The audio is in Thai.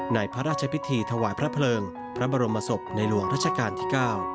ในพระราชพิธีถวายพระเพลิงพระบรมศพในหลวงรัชกาลที่๙